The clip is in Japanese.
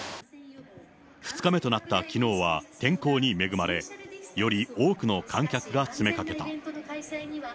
２日目となったきのうは天候に恵まれ、より多くの観客が詰めかけた。